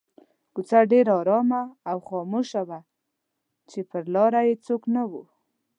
کوڅه ډېره آرامه او خاموشه وه چې پر لاره یې څوک نه وو.